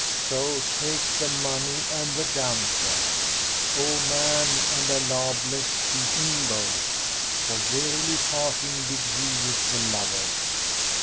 So take the money and the damsel, O man, and Allah bless thee in both; for verily parting be grievous to lovers."